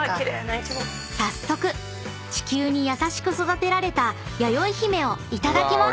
［早速地球に優しく育てられたやよいひめをいただきます］